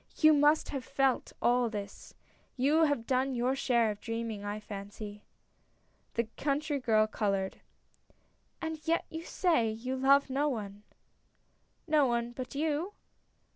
You must have felt all this. You have done your share of dreaming, I fancy !" The country girl colored. "And yet you say — you love no one." "No one, but you."